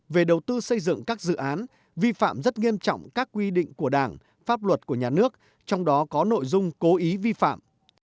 về đầu tư xây dựng các dự án vi phạm rất nghiêm trọng các quy định của đảng pháp luật của nhà nước trong đó có nội dung cố ý vi phạm